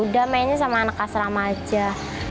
udah mainnya sama anak asrama aja